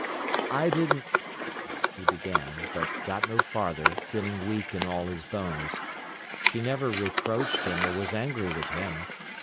"I didn't—" he began, but got no farther, feeling weak in all his bones. She never reproached him or was angry with him.